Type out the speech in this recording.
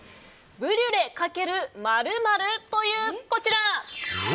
ブリュレ×○○という、こちら。